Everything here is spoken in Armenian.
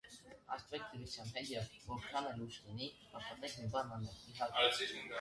Հաշտվենք դրության հետ և, որքան էլ ուշ լինի, կաշխատենք մի բան անել, իհարկե: